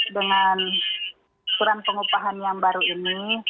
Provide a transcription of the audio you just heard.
dengan ukuran pengupahan yang baru ini